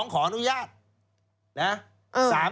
๒ขอนุญาต๓เข้า